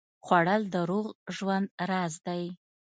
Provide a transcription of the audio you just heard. خوړل د روغ ژوند راز دی